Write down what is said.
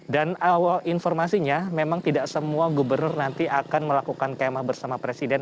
dan informasinya memang tidak semua gubernur nanti akan melakukan kemah bersama presiden